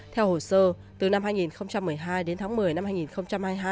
theo hồ sơ từ năm hai nghìn một mươi hai đến tháng một mươi năm hai nghìn hai mươi hai